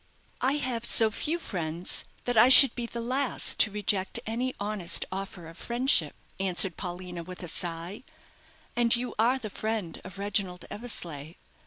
"I have so few friends that I should be the last to reject any honest offer of friendship," answered Paulina, with a sigh. "And you are the friend of Reginald Eversleigh.